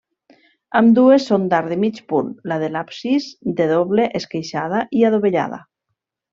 Ambdues són d'arc de mig punt, la de l'absis de doble esqueixada i adovellada.